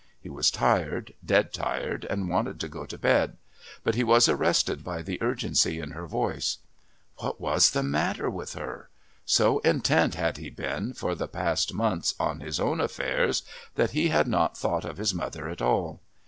He was tired, dead tired, and wanted to go to bed, but he was arrested by the urgency in her voice. What was the matter with her? So intent had he been, for the past months, on his own affairs that he had not thought of his mother at all.